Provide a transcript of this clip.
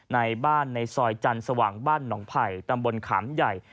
ในบ้านในซอยจันทร์สว่างบ้านหนองไผ่ตำบลขามใหญ่